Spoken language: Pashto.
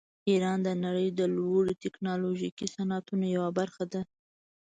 ایران د نړۍ د لوړو ټیکنالوژیکو صنعتونو یوه برخه ده.